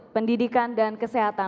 pendidikan dan kesehatan